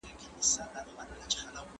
د شلمې پېړۍ بدلونونه ډېر چټک وو.